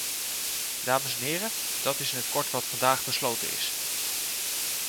Dames en heren, dat is in het kort wat vandaag besloten is.